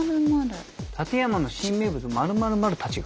「館山の新名物○○○たちが」。